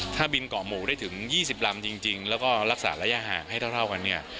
ถ้าบินเกาะหมูได้ถึง๒๐ลำจริงแล้วก็รักษาระยะห่างให้เท่ากันเนี่ย